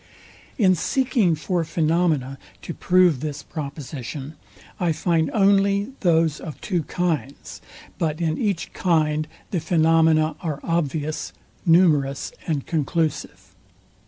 In seeking for phenomena to prove this proposition, I find only those of two kinds; but in each kind the phenomena are obvious, numerous, and conclusive.